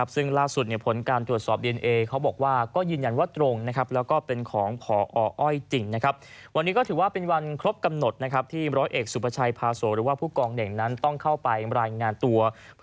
ซึ่งล่าสุดชนิดข้อการว